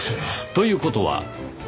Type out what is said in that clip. という事は。